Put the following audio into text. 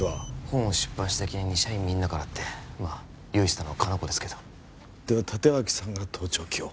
本を出版した記念に社員みんなからってまあ用意したのは香菜子ですけどでは立脇さんが盗聴器を？